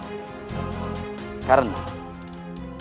tempat ini tidak tepat untuk beristirahat